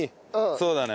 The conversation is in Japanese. そうだね。